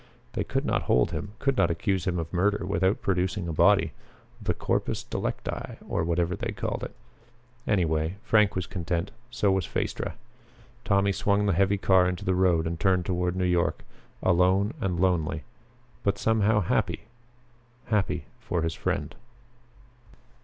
They could not hold him, could not accuse him of murder without producing a body the corpus delicti, or whatever they called it. Anyway, Frank was content. So was Phaestra. Tommy swung the heavy car into the road and turned toward New York, alone and lonely but somehow happy; happy for his friend.